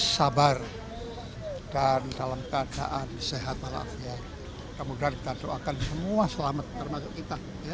sabar dan dalam keadaan sehat malafia kemudian kita doakan semua selamat termasuk kita ya